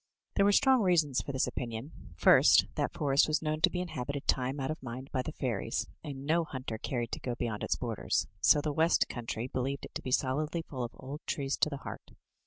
There were strong reasons for this opinion. First, that for est was known to be inhabited time out of mind by the fairies, and no hunter cared to go beyond its borders — so the west coun try believed it to be solidly full of old trees to the heart.